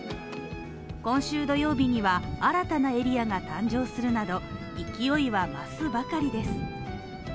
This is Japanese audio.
今週土曜日には、新たなエリアが誕生するなど勢いは増すばかりです。